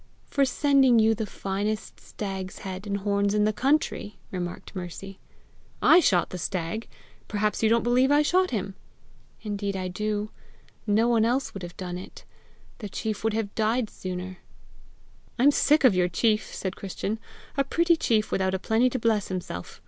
"For sending you the finest stag's head and horns in the country!" remarked Mercy. "I shot the stag! Perhaps you don't believe I shot him!" "Indeed I do! No one else would have done it. The chief would have died sooner!" "I'm sick of your chief!" said Christian. "A pretty chief without a penny to bless himself!